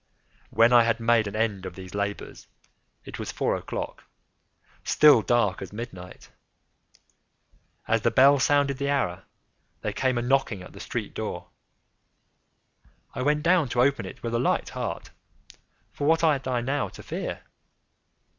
When I had made an end of these labors, it was four o'clock—still dark as midnight. As the bell sounded the hour, there came a knocking at the street door. I went down to open it with a light heart,—for what had I now to fear?